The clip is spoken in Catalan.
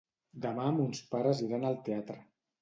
Demà mons pares iran al teatre.